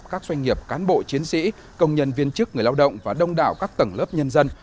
các doanh nghiệp cán bộ chiến sĩ công nhân viên chức người lao động và đông đảo các tầng lớp nhân dân